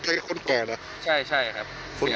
ใช่ครับเสียงผู้ชายครับ